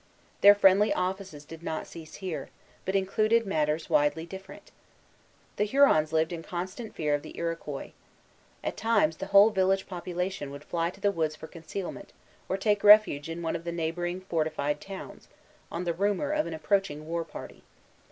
Their friendly offices did not cease here, but included matters widely different. The Hurons lived in constant fear of the Iroquois. At times the whole village population would fly to the woods for concealment, or take refuge in one of the neighboring fortified towns, on the rumor of an approaching war party.